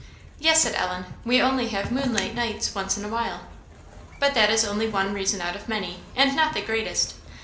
"Yes," said Ellen; "we only have moonlight nights once in a while." "But that is only one reason out of many, and not the greatest.